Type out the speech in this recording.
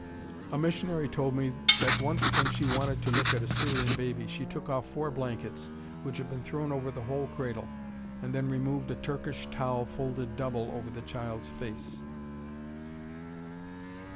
A missionary told me that once when she wanted to look at a Syrian baby, she took off four blankets which had been thrown over the whole cradle, and then removed a Turkish towel folded double over the child's face.